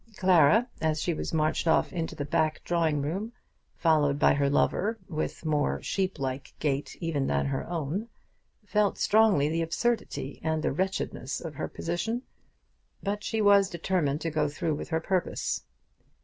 Clara, as she was marched off into the back drawing room, followed by her lover with more sheep like gait even than her own, felt strongly the absurdity and the wretchedness of her position. But she was determined to go through with her purpose.